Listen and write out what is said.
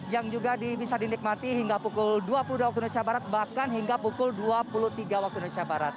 yang juga bisa dinikmati hingga pukul dua puluh dua wib bahkan hingga pukul dua puluh tiga wib